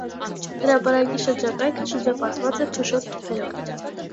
Հրապարակի շրջակայքը շրջապատված է փշոտ թփերով։